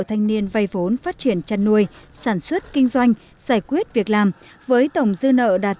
thanh niên vay vốn phát triển chăn nuôi sản xuất kinh doanh giải quyết việc làm với tổng dư nợ đạt